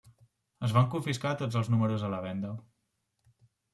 Es van confiscar tots els números a la venda.